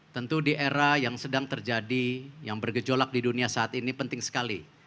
tentu di era yang sedang terjadi yang bergejolak di dunia saat ini penting sekali